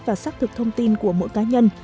và xác thực thông tin của mỗi cá nhân